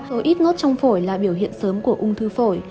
rồi ít nốt trong phổi là biểu hiện sớm của ung thư phổi